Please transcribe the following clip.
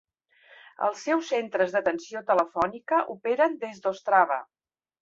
Els seus centres d'atenció telefònica operen des d'Ostrava.